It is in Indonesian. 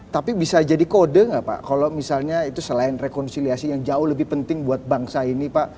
tapi bisa jadi kode nggak pak kalau misalnya itu selain rekonsiliasi yang jauh lebih penting buat bangsa ini pak